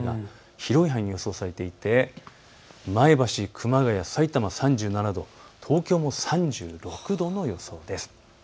広い範囲で予想されていて前橋、熊谷、さいたま、３７度、東京も３６度の予想です。